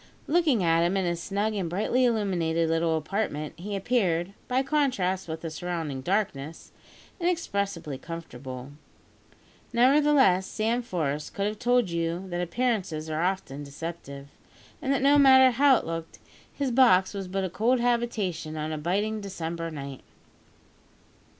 Looking at him in his snug and brightly illuminated little apartment, he appeared by contrast with the surrounding darkness inexpressibly comfortable. Nevertheless, Sam Forest could have told you that appearances are often deceptive, and that no matter how it looked, his box was but a cold habitation on a biting December night.